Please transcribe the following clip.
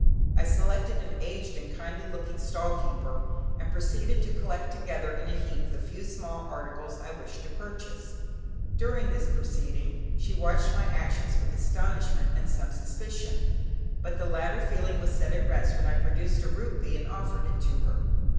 I selected an aged and kindly looking stall keeper, and proceeded to collect together in a heap the few small articles I desired to purchase. During this proceeding she watched my actions with astonishment and some suspicion, but the latter feeling was set at rest when I produced a rupee and offered it to her.